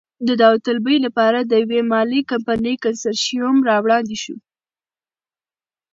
د داوطلبۍ لپاره د یوې مالي کمپنۍ کنسرشیوم را وړاندې شو.